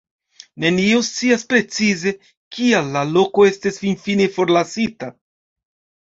Neniu scias precize, kial la loko estis finfine forlasita.